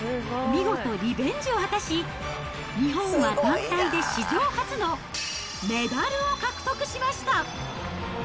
見事、リベンジを果たし、日本は団体で史上初のメダルを獲得しました。